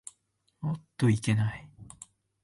おっといけない。